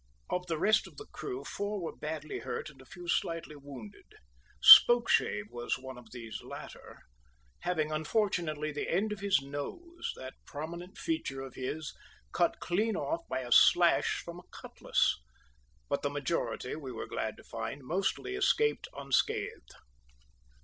Of the rest of the crew four were badly hurt and a few slightly wounded. Spokeshave was one of these latter, having, unfortunately, the end of his nose that prominent feature of his cut clean off by a slash from a cutlass; but the majority, we were glad to find, mostly escaped unscathed.